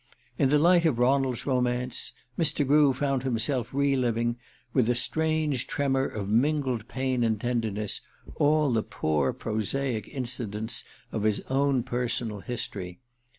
In the light of Ronald's romance, Mr. Grew found himself re living, with a strange tremor of mingled pain and tenderness, all the poor prosaic incidents of his own personal history.